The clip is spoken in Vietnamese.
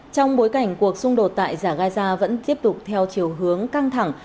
trong bối cảnh cuộc xung đột tại giải gaza vẫn tiếp tục theo chiều hướng căng thẳng